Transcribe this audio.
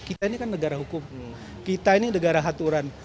kita ini kan negara hukum kita ini negara aturan